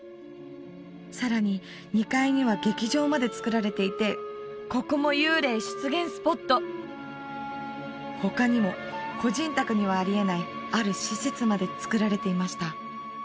さらに２階には劇場までつくられていてここも幽霊出現スポット他にも個人宅にはあり得ないある施設までつくられていました